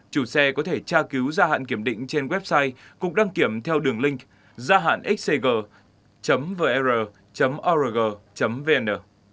chủ xe có thể tra cứu gia hạn kiểm định trên website cục đăng kiểm theo đường link gia hạn xcg vr org vn